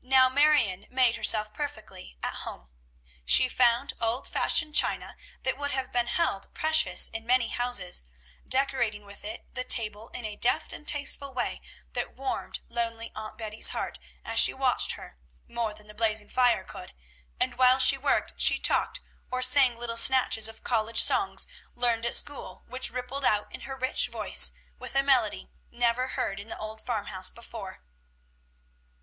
Now Marion made herself perfectly at home. She found old fashioned china that would have been held precious in many houses, decorating with it the table in a deft and tasteful way that warmed lonely Aunt Betty's heart, as she watched her, more than the blazing fire could; and while she worked, she talked, or sang little snatches of college songs learned at school, which rippled out in her rich voice with a melody never heard in the old farmhouse before.